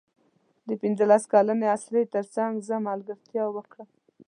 د پنځلس کلنې اسرې تر څنګ زه ملګرتیا وکړم.